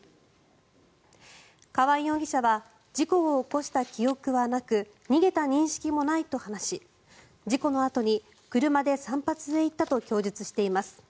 川合容疑者は事故を起こした記憶はなく逃げた認識もないと話し事故のあとに車で散髪へ行ったと供述しています。